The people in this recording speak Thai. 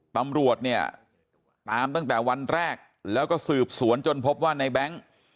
ตำรวจเนี่ยตามตั้งแต่วันแรกแล้วก็สืบสวนจนพบว่าในแบงค์